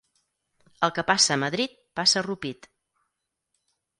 El que passa a Madrid passa a Rupit.